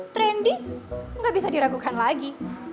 trendy gak bisa diragukan lagi